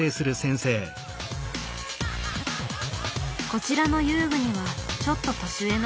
こちらの遊具にはちょっと年上の子どもたち。